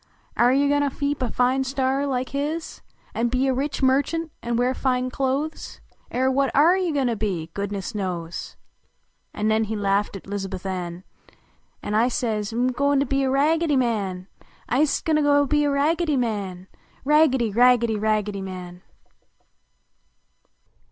Air you go to keep a fine store like his An be a rich merchtmt an wear fine clothes? I .r what oh you go to be, goodness knows!" An nen he laughed at Lizabuth Ann, An T say? " M" go to be a Ragged}" Man ! I m ist go to be a nice Raggedy Man!" Raggedy! Raggedy! Raggedv Man!